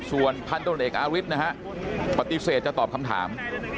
ส่วนพันธนเอกอาริสนะฮะปฏิเสธจะตอบคำถาม